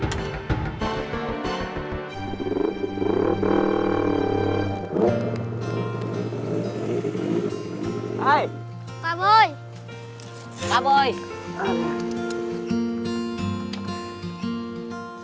sampai ternyata kalau r yolah ke praise